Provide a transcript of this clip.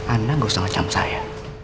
anda gak usah ngecam saya